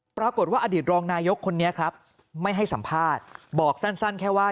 ปรากฏว่าอดีตรองนายกคนนี้ครับไม่ให้สัมภาษณ์บอกสั้นแค่ว่า